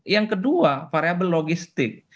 yang kedua variable logistik